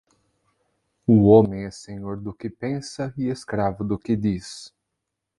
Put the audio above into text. O homem é senhor do que pensa e escravo do que diz